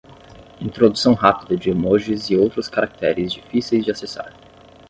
Introdução rápida de emojis e outros caracteres difíceis de acessar.